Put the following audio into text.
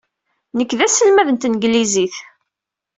Nekk d aselmad n tneglizit.